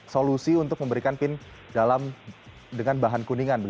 solusi untuk memberikan pin dengan bahan kuningan